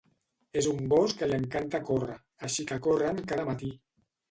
És un gos que li encanta córrer, així que corren cada matí.